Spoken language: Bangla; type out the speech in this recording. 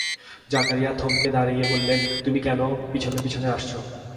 জাকারিয়া থমকে দাঁড়িয়ে বললেন, তুমি কেন পেছনে পেছনে আসছ?